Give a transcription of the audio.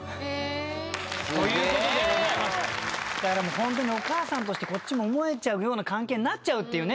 ホントにお母さんとしてこっちも思えちゃうような関係になっちゃうっていうね。